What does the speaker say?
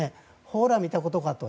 ほら見たことかと。